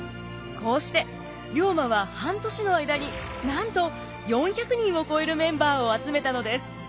こうして龍馬は半年の間になんと４００人を超えるメンバーを集めたのです。